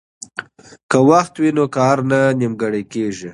که وخت وي نو کار نه نیمګړی کیږي.